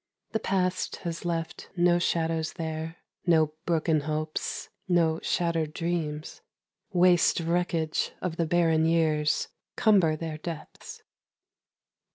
The past has left no shadows there, No broken hopes No shattered dreams Waste wreckage of the barren years, Cumber their depths.